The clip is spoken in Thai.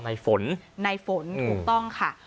ในฝนถูกต้องค่ะ